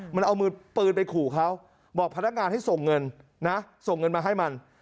มันเอามือปืนไปขู่เขาบอกพนักงานให้ส่งเงินนะส่งเงินมาให้มัน